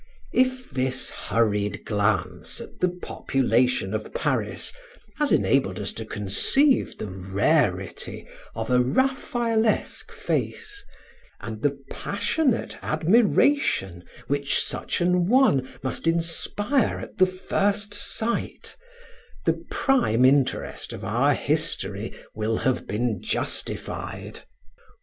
If this hurried glance at the population of Paris has enabled us to conceive the rarity of a Raphaelesque face, and the passionate admiration which such an one must inspire at the first sight, the prime interest of our history will have been justified.